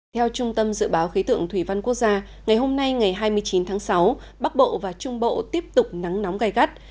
theo trung tâm dự báo khí tượng thủy văn quốc gia ngày hôm nay ngày hai mươi chín tháng sáu bắc bộ và trung bộ tiếp tục nắng nóng gai gắt